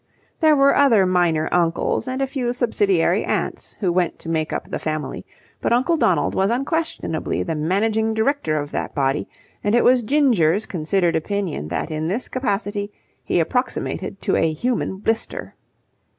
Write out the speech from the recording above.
There were other minor uncles and a few subsidiary aunts who went to make up the Family, but Uncle Donald was unquestionably the managing director of that body and it was Ginger's considered opinion that in this capacity he approximated to a human blister.